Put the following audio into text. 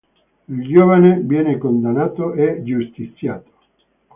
Il giovane viene condannato e giustiziato.